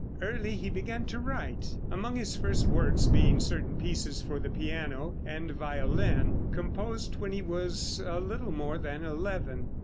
Early he began to write, among his first works being certain pieces for the piano and violin, composed when he was a little more than eleven.